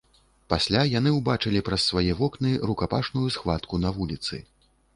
Пасля яны ўбачылі праз свае вокны рукапашную схватку на вуліцы.